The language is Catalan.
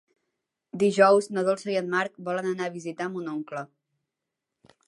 Dijous na Dolça i en Marc volen anar a visitar mon oncle.